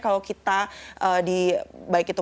kalau kita di baik itu